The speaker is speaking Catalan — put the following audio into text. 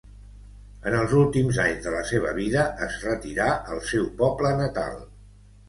En els últims anys de la seva vida es retirà al seu poble natal.